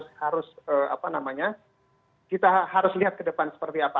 cuma kita harus lihat ke depan seperti apa